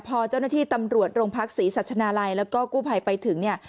พอเจ้าหน้าที่ตำรวจโรงพักศรีสัชนาลัยแล้วก็กู้ภัยไปถึงเนี่ย